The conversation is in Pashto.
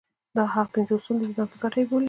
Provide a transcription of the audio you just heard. هغه دا پنځه اصول د ځان په ګټه بولي.